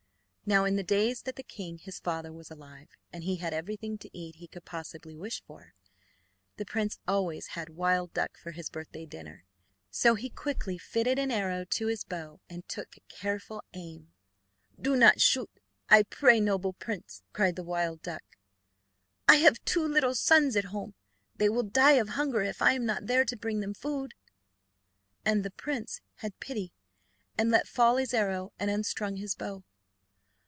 Now, in the days that the king, his father, was alive, and he had everything to eat he could possibly wish for, the prince always had wild duck for his birthday dinner, so he quickly fitted an arrow to his bow and took a careful aim. "Do not shoot, I pray you, noble prince!" cried the wild duck; "I have two little sons at home; they will die of hunger if I am not there to bring them food." And the prince had pity, and let fall his arrow and unstrung his bow.